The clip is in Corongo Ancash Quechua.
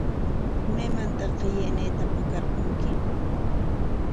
¿Maymantaq qillqayniita pakarqurki?